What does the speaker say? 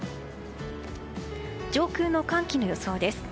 上空の寒気の予想です。